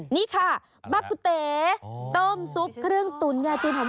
นี่ค่ะมะกุเต๋ต้มซุปเครื่องตุ๋นยาจีนหอม